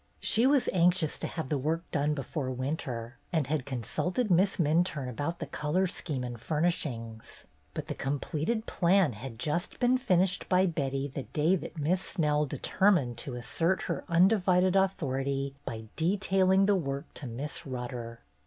She was anxious to have the work done before winter, and had consulted Miss Minturne about the color scheme and furnishings; but the completed plan had just been finished by Betty the day that Miss Snell determined to assert her undivided authority by detailing the work to Miss Rutter.